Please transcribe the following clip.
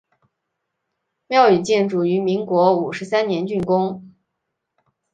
庙宇建筑于民国五十三年竣工。